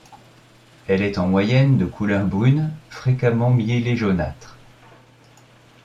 Elle est en moyenne de couleur brune fréquemment miellée jaunâtre.